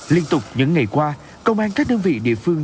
liên tục những ngày qua công an các đơn vị địa phương